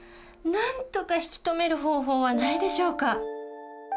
なんとか引き止める方法はないでしょうか？